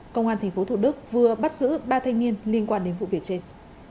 công an tp thủ đức vừa bắt giữ ba thanh niên liên quan đến vụ việc trên